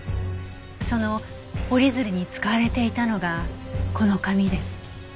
その折り鶴に使われていたのがこの紙です。